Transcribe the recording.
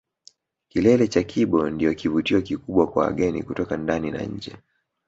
Kilele cha Kibo ndio kivutio kikubwa kwa wageni kutoka ndani na nje